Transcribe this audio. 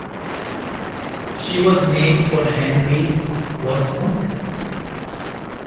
She was named for Henry Wasmuth.